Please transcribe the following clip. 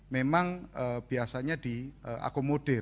memang biasanya diakomodir